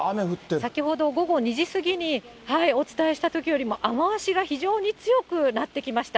先ほど午後２時過ぎにお伝えしたときよりも雨足が非常に強くなってきました。